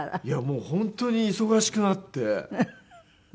いやもう本当に忙しくなって。